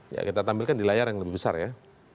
ya kita tampilkan di layar yang lebih besar ya